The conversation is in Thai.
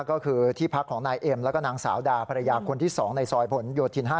ก็คือที่พักของนายเอ็มแล้วก็นางสาวดาภรรยาคนที่๒ในซอยผลโยธิน๕